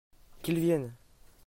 Qu'ils viennent !